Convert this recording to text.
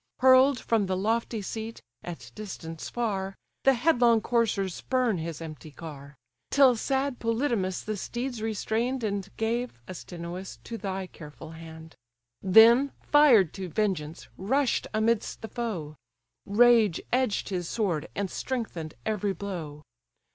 Hurl'd from the lofty seat, at distance far, The headlong coursers spurn his empty car; Till sad Polydamas the steeds restrain'd, And gave, Astynous, to thy careful hand; Then, fired to vengeance, rush'd amidst the foe: Rage edged his sword, and strengthen'd every blow.